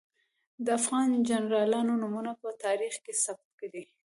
د افغان جنرالانو نومونه په تاریخ کې ثبت دي.